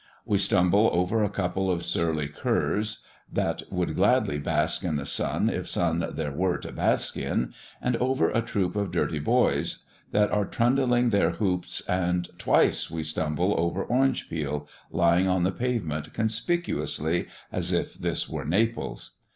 We stumble over a couple of surly curs, that would gladly bask in the sun if sun there were to bask in, and over a troop of dirty boys that are trundling their hoops, and twice we stumble over orange peel, lying on the pavement conspicuously as if this were Naples.